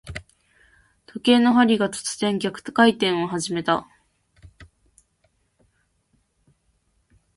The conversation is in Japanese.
時計の針が、突然逆回転を始めた。